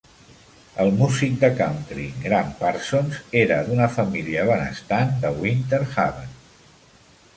El músic de country Gram Parsons era d'una família benestant de Winter Haven.